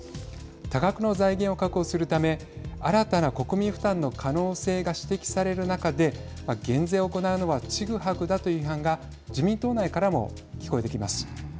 多額の財源を確保するため新たな国民負担の可能性が指摘される中で減税を行うのはちぐはぐだという批判が自民党内からも聞こえてきます。